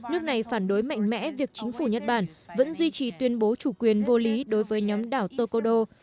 nước này phản đối mạnh mẽ việc chính phủ nhật bản vẫn duy trì tuyên bố chủ quyền vô lý đối với nhóm đảo tokodo